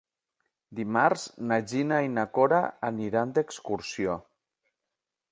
Dimarts na Gina i na Cora aniran d'excursió.